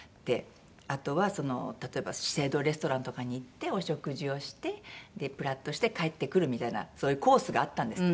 あとは例えば資生堂レストランとかに行ってお食事をしてでプラッとして帰ってくるみたいなそういうコースがあったんですって。